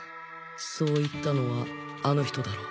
そう言ったのはあの人だろ。